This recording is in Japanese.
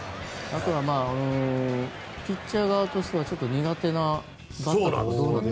あとはピッチャー側としては苦手なバッターが。